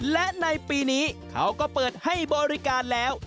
และในปีนี้เขาก็เปิดให้บริการแล้ว